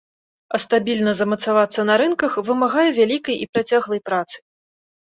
А стабільна замацавацца на рынках вымагае вялікай і працяглай працы.